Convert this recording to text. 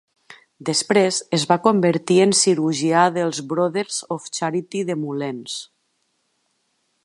Després es va convertir en cirurgià dels Brothers of Charity de Moulins.